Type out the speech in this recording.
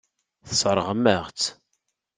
Tesseṛɣem-aɣ-tt.